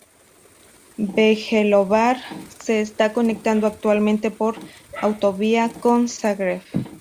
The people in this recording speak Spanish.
Bjelovar se está conectado actualmente por autovía con Zagreb.